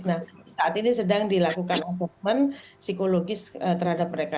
nah saat ini sedang dilakukan assessment psikologis terhadap mereka